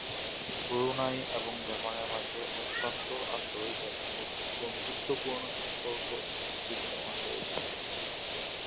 Brunei এবং জাপানের মাঝে অত্যন্ত আন্তরিক এবং বন্ধুত্বপূর্ণ সম্পর্ক বিদ্যমান রয়েছে।